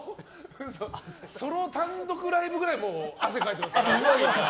ソロ単独ライブくらい汗かいてますよ。